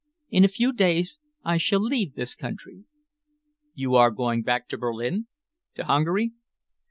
In a few days I shall leave this country." "You are going back to Berlin to Hungary?"